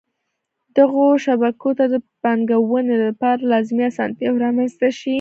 دغو شبکو ته د پانګوني دپاره لازمی اسانتیاوي رامنځته شي.